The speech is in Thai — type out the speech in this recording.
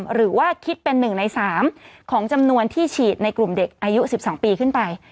หรือว่าคิดเป็น๑ใน๓ของจำนวนที่ฉีดในกลุ่มเด็กอายุ๑๒ปีขึ้นไป